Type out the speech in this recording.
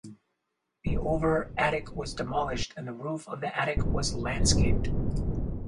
The over attic was demolished and the roof of the attic was landscaped.